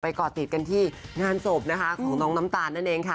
ก่อติดกันที่งานศพนะคะของน้องน้ำตาลนั่นเองค่ะ